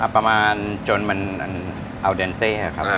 ประมาณจนมันอัลเดนเต้ครับครับ